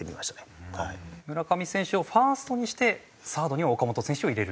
村上選手をファーストにしてサードには岡本選手を入れる？